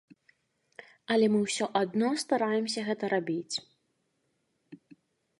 Але мы ўсё адно стараемся гэта рабіць.